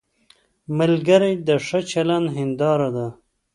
ملګری د ښه چلند هنداره ده